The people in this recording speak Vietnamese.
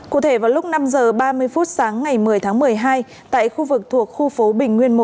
cụ thể vào lúc năm h ba mươi phút sáng ngày một mươi tháng một mươi hai tại khu vực thuộc khu phố bình nguyên một